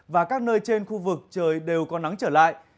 và các nơi trên khu vực trời đều có nắng trở lại